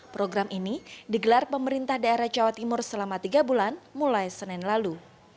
program ini digelar pemerintah daerah jawa timur selama tiga bulan mulai senin lalu